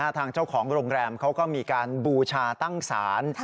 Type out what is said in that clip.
ทางเจ้าของโรงแรมเขาก็มีการบูชาตั้งศาล